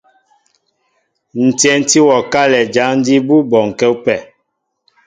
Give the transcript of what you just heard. Ǹ tyɛntí wɔ kálɛ jǎn jí bú bɔnkɛ́ ú pɛ.